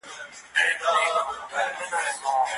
ټولنیز محصول د هېواد شتمني ده.